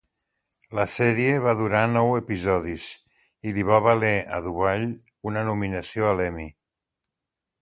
La sèrie va durar nou episodis i li va valer a Duvall una nominació a l'Emmy.